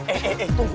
eh eh eh tunggu